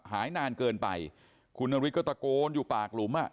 หายนานเกินไปคุณนฤทธิก็ตะโกนอยู่ปากหลุมอ่ะ